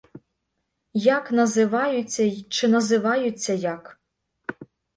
Як називаються й чи називаються як?